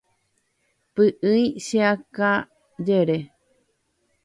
Py'ỹi cheakãjere.